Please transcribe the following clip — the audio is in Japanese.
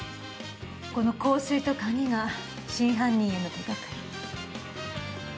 この香水と鍵が真犯人への手掛かり。